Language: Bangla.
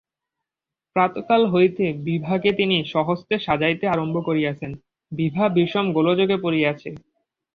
প্রাতঃকাল হইতে বিভাকে তিনি স্বহস্তে সাজাইতে আরম্ভ করিয়াছেন– বিভা বিষম গোলযোগে পড়িয়াছে।